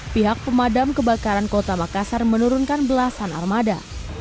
pihak pemadam kebakaran kota makassar menurunkan belasan armada